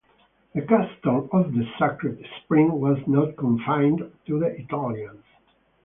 The custom of the sacred spring was not confined to the Italians.